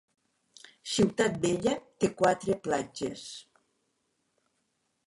Ciutat Vella té quatre platges.